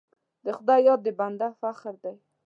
د خدای یاد د بنده فخر دی.